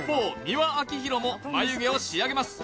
美輪明宏も眉毛を仕上げます